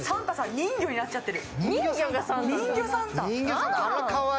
人魚になっちゃってる。